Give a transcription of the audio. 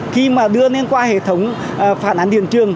khi mà đưa lên qua hệ thống phản án liên trường